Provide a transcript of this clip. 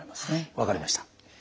分かりました。